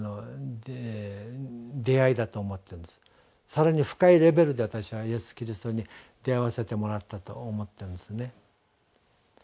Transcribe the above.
更に深いレベルで私はイエス・キリストに出会わせてもらったと思ってるんですね。